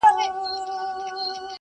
بيا به تاوکي چنګ برېتونه `